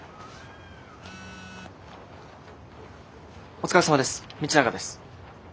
お疲れさまです道永です。